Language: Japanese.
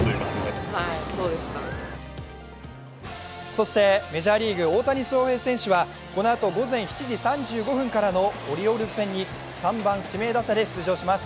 そしてメジャーリーグ大谷翔平選手はこのあと午前７時３５分からのオリオールズ戦に３番・指名打者で出場します。